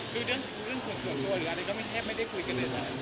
คือเรื่องส่วนตัวหรืออะไรก็แทบไม่ได้คุยกันเลย